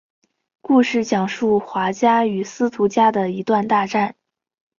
故事讲述华家与司徒家的一段大战。